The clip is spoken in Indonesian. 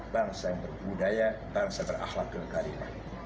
bangsa yang berbudaya bangsa berakhlak kegadilan